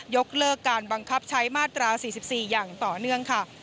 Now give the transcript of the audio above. ยกเลิกการบังคับใช้มาตรา๔๔อย่างต่อเนื่องค่ะ